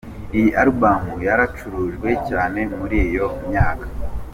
Iyi album yaracurujwe cyane muri iyo myaka.